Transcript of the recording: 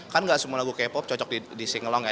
kan gak semua lagu k pop cocok di singolong ya